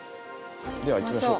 では行きましょう。